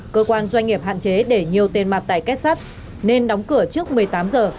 cơ quan doanh nghiệp hạn chế để nhiều tiền mặt tại kết sắt nên đóng cửa trước một mươi tám giờ